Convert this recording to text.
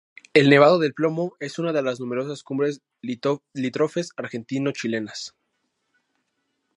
El nevado del Plomo es una de las numerosas cumbres limítrofes argentino-chilenas.